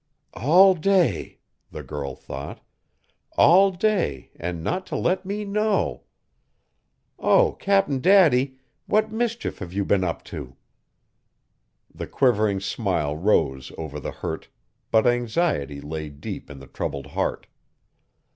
"All day!" the girl thought; "all day, and not to let me know! Oh, Cap'n Daddy, what mischief have you been up to?" The quivering smile rose over the hurt, but anxiety lay deep in the troubled heart.